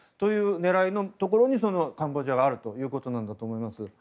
狙いがあるところにカンボジアがあるということだと思います。